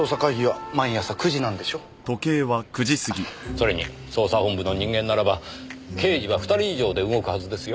それに捜査本部の人間ならば刑事は２人以上で動くはずですよ？